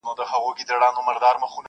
شیرنۍ ته ریسوت وایې ډېر ساده یې,